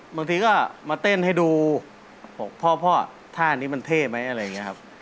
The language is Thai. บางทีก็มาเต้นให้ดูบอกพ่อพ่อท่านี้มันเท่ไหมอะไรอย่างนี้ครับ